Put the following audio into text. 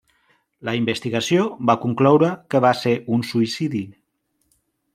La investigació va concloure que va ser un suïcidi.